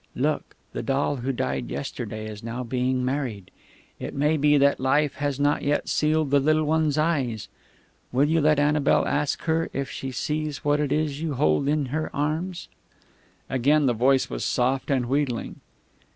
Look, the doll who died yesterday is now being married.... It may be that Life has not yet sealed the little one's eyes. Will you let Annabel ask her if she sees what it is you hold in your arms?" Again the voice was soft and wheedling....